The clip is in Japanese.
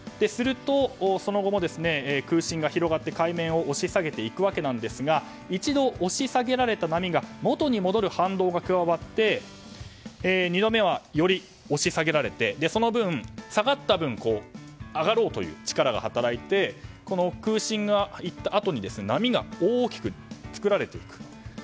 すると、その後も空振が広がって海面を押し下げていくわけですが一度、押し下げられた波が元に戻る反動が加わって２度目はより押し下げられてその分、下がった分上がろうという力が働いて空振がいったあとに波が大きく作られていく。